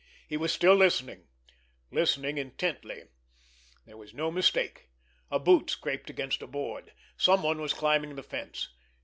He was still listening—listening intently. There was no mistake. A boot scraped against a board. Someone was climbing the fence.